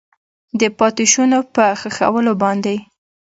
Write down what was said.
د پاتې شونو په ښخولو باندې